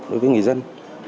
đối với người dân